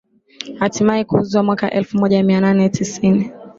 hatimaye kuuzwa mwaka elfu moja mia nane tisini